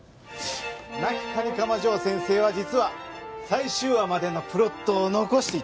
亡き蟹釜ジョー先生は実は最終話までのプロットを残していた。